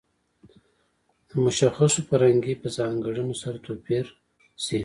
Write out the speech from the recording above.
د مشخصو فرهنګي په ځانګړنو سره توپیر شي.